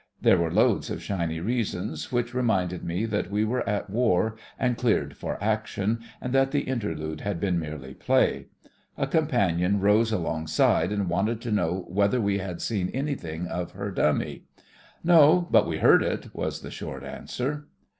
There were loads of shiny reasons, which reminded me that we were at war and cleared for action, and that the interlude had been merely play. A companion rose alongside and wanted to know whether we had seen anything of her dummy. "No. But we heard it," was the short answer.